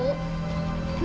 emang bener ya